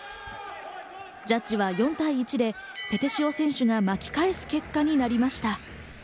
ジャッジは４対１でペテシオ選手が巻き返す結果になりました。